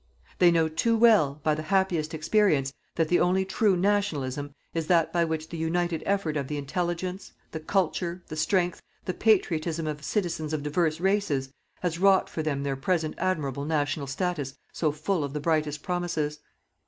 They know too well, by the happiest experience, that the only true "Nationalism" is that which by the united effort of the intelligence, the culture, the strength, the patriotism of citizens of divers races has wrought for them their present admirable national status so full of the brightest promises.